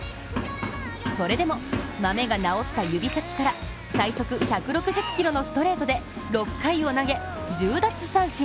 それでも、マメが治った指先から最速１６０キロのストレートで６回を投げ１０奪三振。